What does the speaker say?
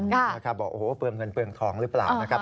บอกว่าเปลืองเงินเปลืองทองหรือเปล่านะครับ